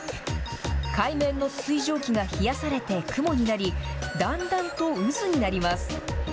海面の水蒸気が冷やされて雲になり、だんだんと渦になります。